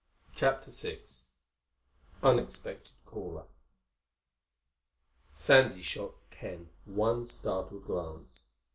CHAPTER VI UNEXPECTED CALLER Sandy shot Ken one startled glance.